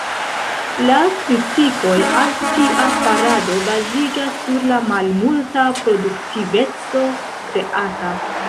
La kritikoj al tia farado baziĝas sur la malmulta produktiveco kreata.